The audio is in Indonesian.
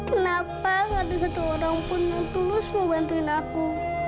kenapa nggak ada satu orang pun yang tulus membantuin aku